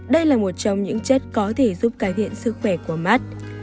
đây là một trong những chất có thể giúp cải thiện sức khỏe của mắt